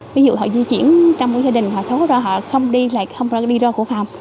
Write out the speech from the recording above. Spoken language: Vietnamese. ví dụ họ di chuyển trong gia đình họ thấu ra họ không đi lại không ra đi ra của phòng